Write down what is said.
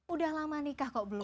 udah lama nikah kok belum